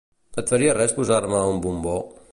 Et faria res posar-me un bombó?